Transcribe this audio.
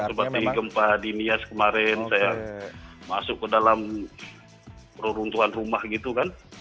seperti gempa di nias kemarin saya masuk ke dalam reruntuhan rumah gitu kan